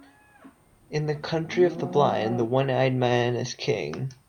In the country of the blind, the one-eyed man is king.